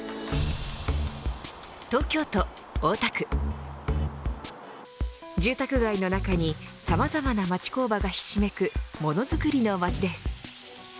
東京都大田区住宅街の中にさまざまな町工場がひしめくものづくりのまちです。